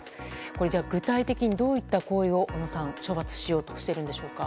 これ、具体的にどういった行為を小野さん処罰しようとしているんでしょうか。